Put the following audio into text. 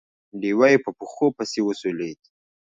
لېوه يې په پښو پسې وسولېد.